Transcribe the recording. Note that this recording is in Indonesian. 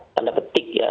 tanda ketik ya